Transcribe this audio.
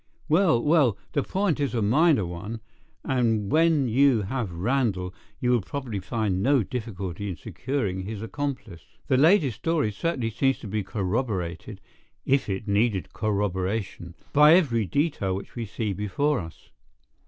Well, well, the point is a minor one, and when you have Randall you will probably find no difficulty in securing his accomplice. The lady's story certainly seems to be corroborated, if it needed corroboration, by every detail which we see before us."